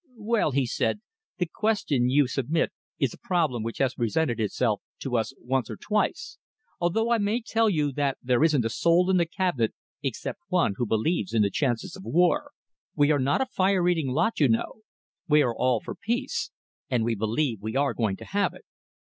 "Well," he said, "the question you submit is a problem which has presented itself to us once or twice, although I may tell you that there isn't a soul in the Cabinet except one who believes in the chance of war. We are not a fire eating lot, you know. We are all for peace, and we believe we are going to have it.